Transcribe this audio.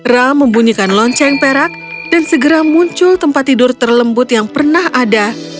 ram membunyikan lonceng perak dan segera muncul tempat tidur terlembut yang pernah ada